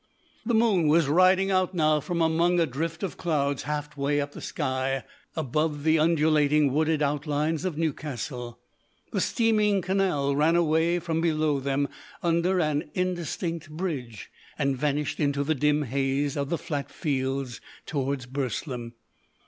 The moon was riding out now from among a drift of clouds, half way up the sky above the undulating wooded outlines of Newcastle. The steaming canal ran away from below them under an indistinct bridge, and vanished into the dim haze of the flat fields towards Burslem.